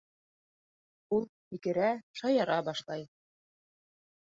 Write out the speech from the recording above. Ул һикерә, шаяра башлай.